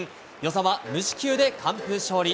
與座は無四球で完封勝利。